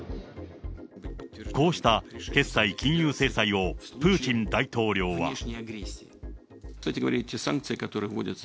こうした決済金融制裁をプーチン大統領は。